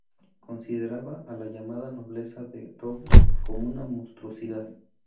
Consideraba a la llamada "nobleza de toga" como una monstruosidad.